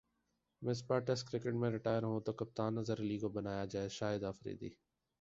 Misbah test cricket سے retire ہو تو کپتان اظہر علی کو بنایا جائےشاہد افریدی